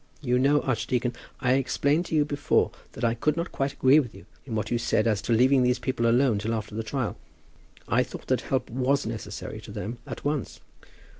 You know, archdeacon, I explained to you before that I could not quite agree with you in what you said as to leaving these people alone till after the trial. I thought that help was necessary to them at once."